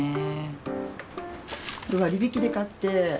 割引で買って。